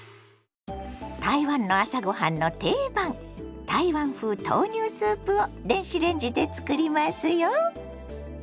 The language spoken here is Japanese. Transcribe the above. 台湾の朝ごはんの定番台湾風豆乳スープを電子レンジで作りますよ。